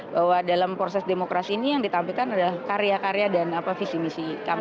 bahwa dalam proses demokrasi ini yang ditampilkan adalah karya karya dan visi misi kami